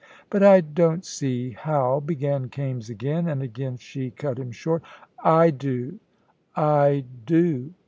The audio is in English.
"But I don't see how " began Kaimes again, and again she cut him short. "I do I do.